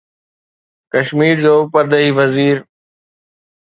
ڪشمير جو پرڏيهي وزير